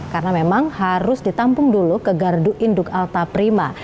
karena memang harus ditampung dulu ke gardu induk alta prima